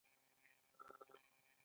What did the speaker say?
ساه ایستلو اچولي وو.